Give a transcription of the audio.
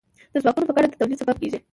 دا ځواکونه په ګډه د تولید سبب کیږي.